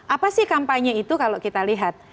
apa sih kampanye itu kalau kita lihat